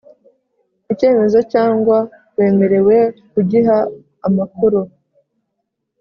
icyemezo cyangwa wemerewe kugiha amakuru